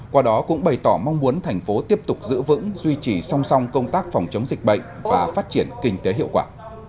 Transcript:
qua đó cũng bày tỏ mong muốn thành phố tiếp tục giữ vững duy trì song song công tác phòng chống dịch bệnh và phát triển kinh tế hiệu quả